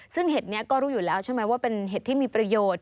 ซึ่งเห็ดนี้ก็รู้อยู่แล้วใช่ไหมว่าเป็นเห็ดที่มีประโยชน์